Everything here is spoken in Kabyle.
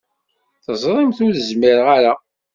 Teẓrimt ur zmireɣ ara.